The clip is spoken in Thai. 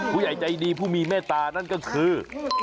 ผู้ใหญ่ใจดีผู้มีเมตตานั่นก็คือ